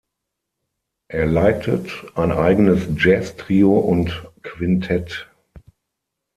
Er leitet ein eigenes Jazztrio und -quintett.